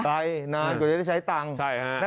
ไปนานกว่าจะได้ใช้ตังค์